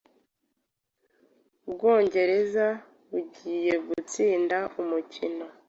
Ubwongereza bugiye gutsinda umukino.